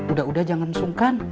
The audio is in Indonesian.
udah udah jangan sungkan